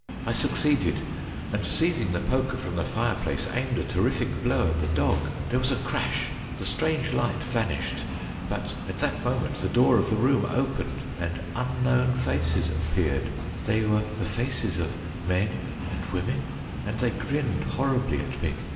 I succeeded, and seizing the poker from the fire place, aimed a terrific blow at the dog. There was a crash, the strange light vanished, but at that moment the door of the room opened, and unknown faces appeared. They were the faces of men and women, and they grinned horribly at me.